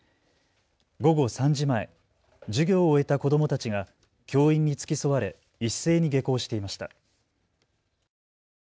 午後３時前、授業を終えた子どもたちが教員に付き添われ一斉に下校していました。